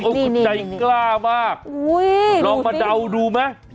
อุ้ยคุณใจกล้ามากโอ้ยหลอกมาเดาดูมั้ย